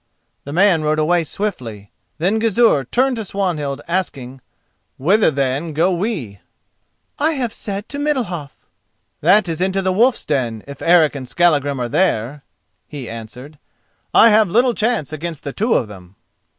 The man rode away swiftly. Then Gizur turned to Swanhild, asking: "Whither, then, go we?" "I have said to Middalhof." "That is into the wolf's den, if Eric and Skallagrim are there," he answered: "I have little chance against the two of them."